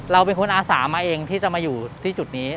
เราเป็นคนอาสามาเองที่จะมาอยู่ที่จุดนี้